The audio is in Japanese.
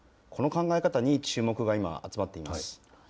この考え方に注目が今、集まっています。